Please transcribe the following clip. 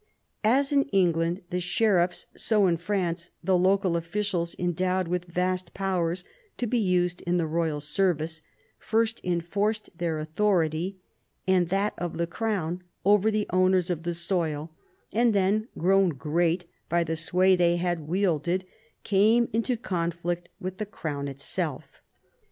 As in England the sheriffs, so in France the local officials, endowed with vast powers to be used in the royal ser vice, first enforced their authority and that of the Crown over the owners of the soil, and then, grown great by the sway they had wielded, came into conflict with the Crown itself.